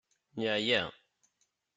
Yeɛya.